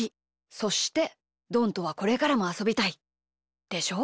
そしてどんとはこれからもあそびたいでしょ？